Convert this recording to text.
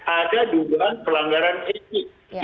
ada dugaan pelanggaran etik